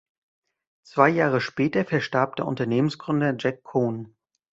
Zwei Jahre später verstarb der Unternehmensgründer Jack Cohen.